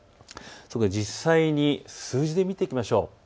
実際に数字で見ていきましょう。